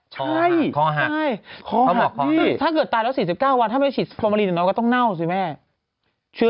ใช่คอหักคอหักด้วยถ้าเกิดตายแล้ว๔๙วันถ้าไม่ได้ฉีดฟอร์มาลีเดี๋ยวน้อยก็ต้องเน่าสิแม่